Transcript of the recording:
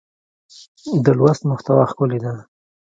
د لوست محتوا ښکلې ده.